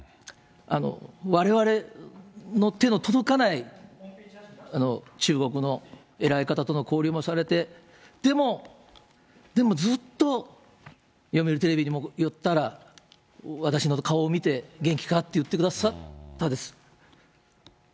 われわれの手の届かない、中国の偉い方との交流もされて、でも、でもずっと読売テレビにも寄ったら、私の顔を見て、元気かって言ってくださったです。